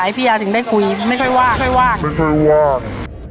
ให้พี่ยาถึงได้คุยไม่ค่อยว่างไม่ค่อยว่างไม่ค่อยว่าง